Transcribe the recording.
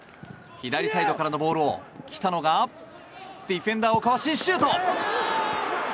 左サイドからのボールを北野がディフェンダーをかわしシュート！